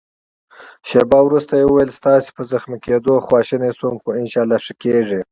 شېبه وروسته يې وویل: ستاسي په زخمي کېدو خواشینی شوم، خو انشاالله ښه کېږې.